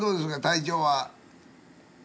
体調は？